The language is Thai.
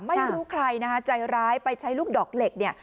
ไม่รู้ใครนะคะใจร้ายไปใช้ลูกดอกเหล็กเนี่ย